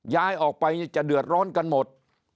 ย้ายออกไปจะเดือดร้อนกันหมด